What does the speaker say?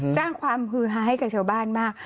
สร้างความฮือฮาให้กับชาวบ้านมาก